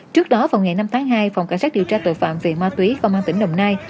trước đó vào ngày năm tháng hai phòng cảnh sát điều tra tội phạm về ma túy công an tỉnh đồng nai